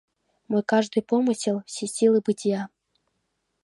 Мой каждый помысел, все силы бытия —